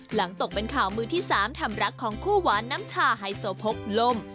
ตกเป็นข่าวมือที่๓ทำรักของคู่หวานน้ำชาไฮโซโพกล่ม